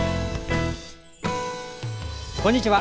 こんにちは。